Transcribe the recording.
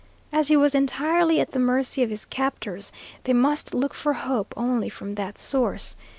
As he was entirely at the mercy of his captors, they must look for hope only from that source.